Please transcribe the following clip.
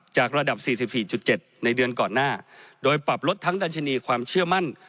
จากระดับสี่สิบสี่จุดเจ็ดในเดือนก่อนหน้าโดยปรับลดทั้งดัชนีความเชื่อมั่น